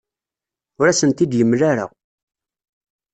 Ur asen-t-id-yemla ara.